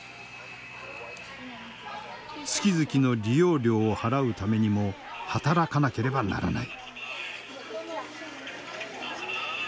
月々の利用料を払うためにも働かなければならない。